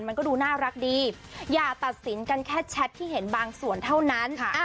มันก็ดูน่ารักดีอย่าตัดสินกันแค่แชทที่เห็นบางส่วนเท่านั้น